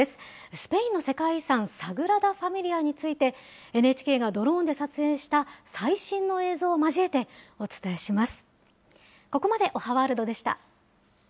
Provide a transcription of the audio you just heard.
スペインの世界遺産、サグラダ・ファミリアについて、ＮＨＫがドローンで撮影した最新の映像を交えてお伝えします。